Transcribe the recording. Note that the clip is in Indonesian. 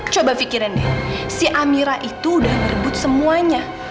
coba pikirin deh si amira itu udah ngerebut semuanya